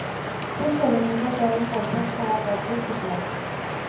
Se suelen encontrar en bolsas como cualquier snack.